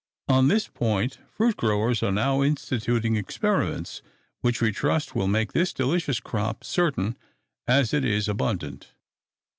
On this point fruit growers are now instituting experiments, which, we trust, will make this delicious crop certain as it is abundant.